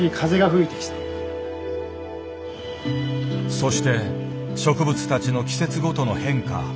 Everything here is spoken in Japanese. そして植物たちの季節ごとの変化